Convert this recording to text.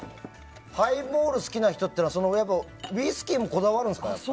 ハイボールが好きな人はウイスキーもこだわるんですか？